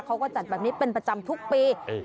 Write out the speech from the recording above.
เขาก็จัดแบบนี้เป็นประจำทุกปี